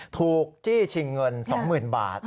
ถูกจี้ชิงเงินสองหมื่นบาท